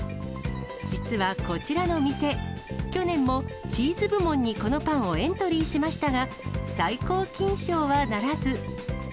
実はこちらの店、去年もチーズ部門に、このパンをエントリーしましたが、最高金賞はならず。